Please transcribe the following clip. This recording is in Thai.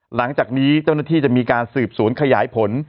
หลังจากนี้เจ้าหน้าที่จะมีการสืบสวนขยายผล